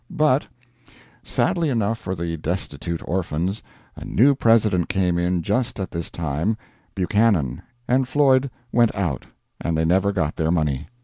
But, sadly enough for the destitute orphans, a new President came in just at this time, Buchanan and Floyd went out, and they never got their money.